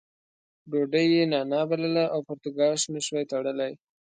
ډوډۍ یې نانا بلله او پرتوګاښ نه شوای تړلی.